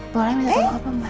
boleh minta tolong apa mbak